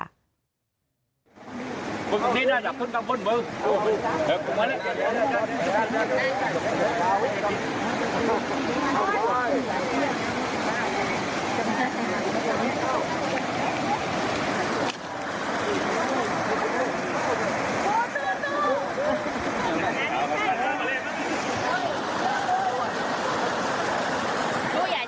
ดูอยากจ๊ะเย็บ